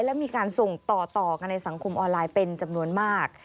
และมีการส่งต่อกันในสังคมออนไลน์เป็นจำนวนมาก